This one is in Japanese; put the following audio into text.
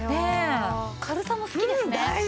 軽さも好きですね。